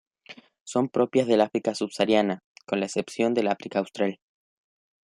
Son propias del África subsahariana, con la excepción del África austral.